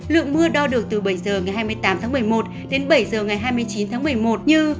lượng mưa đo được từ bảy h ngày hai mươi tám tháng một mươi một đến bảy h ngày hai mươi chín tháng một mươi một như